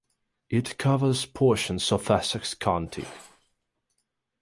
It covers portions of Essex county.